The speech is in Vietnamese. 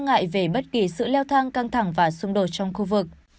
bộ ngoại giao mỹ bày tỏ lo ngại về bất kỳ sự leo thang căng thẳng và xung đột trong khu vực